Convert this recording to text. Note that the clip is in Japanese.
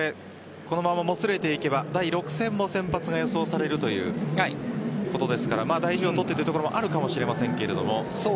このままもつれていけば第６戦も先発が予想されるということですから大事をとってというところもあるかもしれませんが。